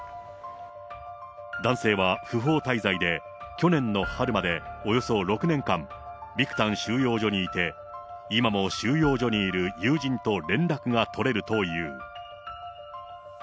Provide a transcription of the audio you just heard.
男性は不法滞在で去年の春までおよそ６年間、ビクタン収容所にいて、今も収容所にいる友人と連絡が取れるという。